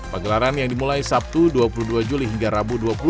pagelaran yang dimulai sabtu dua puluh dua juli hingga rabu dua ribu dua puluh satu